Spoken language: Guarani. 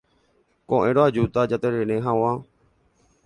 Ko'ẽrõ ajúta jaterere hag̃ua.